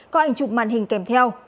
có ảnh chụp màn hình kèm theo